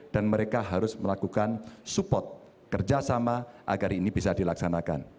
dan mereka harus melakukan support kerjasama agar ini bisa dilaksanakan